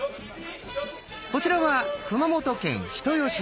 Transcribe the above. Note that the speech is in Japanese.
こちらは熊本県人吉市。